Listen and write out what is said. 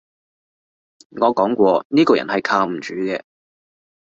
我講過呢個人係靠唔住嘅